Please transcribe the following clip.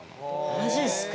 マジっすか。